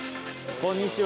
こんにちは。